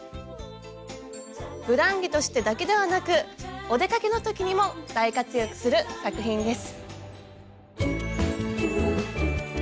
ふだん着としてだけではなくお出かけの時にも大活躍する作品です。